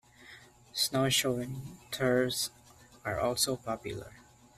Snowshoeing tours are also popular.